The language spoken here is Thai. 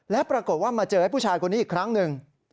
และปรากฏว่ามาเจอไอ้ผู้ชายคนนี้อีกครั้งหนึ่ง